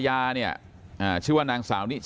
ท่านดูเหตุการณ์ก่อนนะครับ